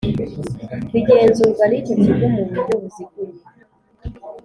Bigenzurwa n icyo kigo mu buryo buziguye